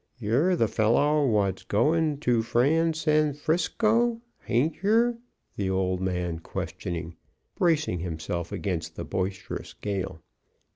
"Yer th' feller what's goin' to Fran Sanfrisco, hain't yer?" the old man questioned, bracing himself against the boisterous gale.